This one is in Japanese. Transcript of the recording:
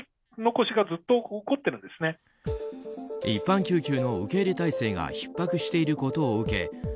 一般救急の受け入れ態勢がひっ迫していることを受け